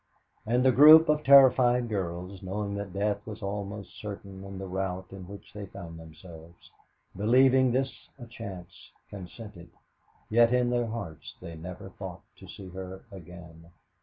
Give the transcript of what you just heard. And the group of terrified girls, knowing that death was almost certain in the rout in which they found themselves, believing this a chance, consented, yet in their hearts they never thought to see her again.